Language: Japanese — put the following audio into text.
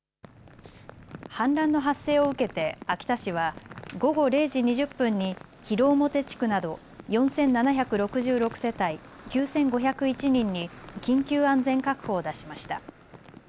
氾濫の発生を受けて秋田市は午後０時２０分に広面地区など４７６６世帯９５０１人に緊急安全確保を出しました。